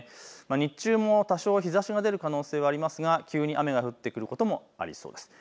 日中も多少日ざしが出る可能性はありますが急に雨が降ってくることもありそうです。